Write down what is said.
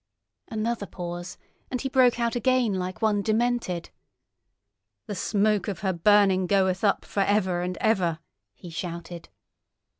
Another pause, and he broke out again like one demented. "The smoke of her burning goeth up for ever and ever!" he shouted.